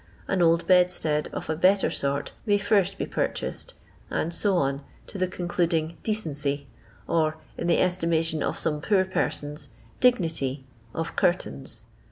An old bedstead of a better sort may first be pur chased, and so on to the concluding " decency," or, in the estimation of some poor persons, " dig nity " of curtains.